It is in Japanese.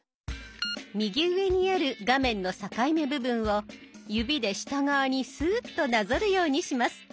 右上にある画面の境目部分を指で下側にスーッとなぞるようにします。